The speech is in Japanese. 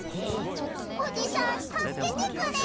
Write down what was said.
おじさんたすけてくれ！